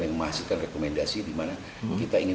yang menghasilkan rekomendasi dimana kita ingin